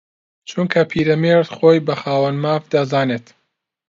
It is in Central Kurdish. چونکە پیرەمێرد خۆی بە خاوەن ماف دەزانێت